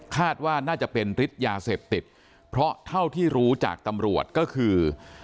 คาดว่าน่าจะเป็นฤทธิ์ยาเสพติดเพราะเท่าที่รู้จากตำรวจก็คือ